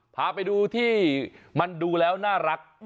พาไปดูที่มันดูแล้วน่ารัก